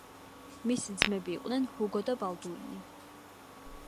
მისი ძმები იყვნენ ჰუგო და ბალდუინი.